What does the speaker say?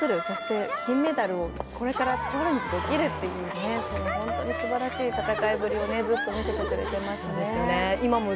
そして、金メダルをこれからチャレンジできるという本当にすばらしい戦いぶりを見せてくれてますよね。